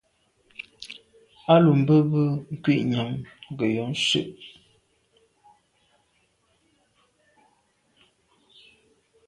A lo be be kwinyàm ke yon nse’e.